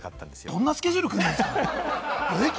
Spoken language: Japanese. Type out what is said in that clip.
どんなスケジュール組んでるんですか！